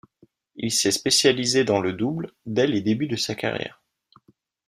Il s'est spécialisé dans le double dès les débuts de sa carrière.